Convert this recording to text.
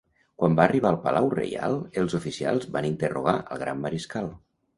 Quan va arribar al palau reial, els oficials van interrogar al Gran Mariscal.